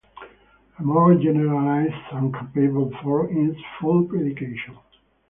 A more generalized and capable form is "full predication".